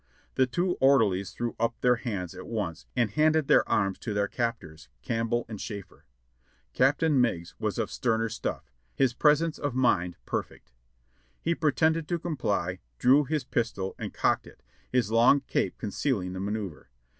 The two orderlies threw up their hands at once and handed their arms to their captors, Campbell and Schafer. Captain INIeigs was of sterner stuff, his presence of mind per fect. He pretended to comply, drew his pistol and cocked it, his long cape concealing the manoeuvre.